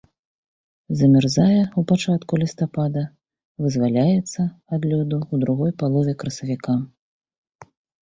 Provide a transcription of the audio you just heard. Замярзае ў пачатку лістапада, вызваляецца ад лёду ў другой палове красавіка.